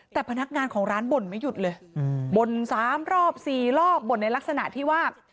แต่พนักงานของร้านบ่นไม่หยุดเลยบ่น๓รอบ๔รอบบ่นในลักษณะที่ว่า